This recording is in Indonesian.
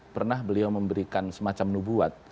pernah beliau memberikan semacam nubuat